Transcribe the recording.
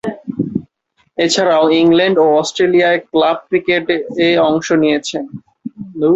এছাড়াও, ইংল্যান্ড ও অস্ট্রেলিয়ায় ক্লাব ক্রিকেটে অংশ নিয়েছেন।